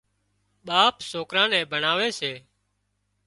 ٻاپ سوڪران نين ڀڻاوي سي